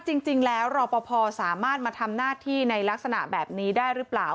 จริงแล้วรอปภสามารถมาทำหน้าที่ในลักษณะแบบนี้ได้หรือเปล่า